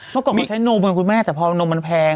เมื่อก่อนมีใช้นมเหมือนคุณแม่แต่พอนมมันแพง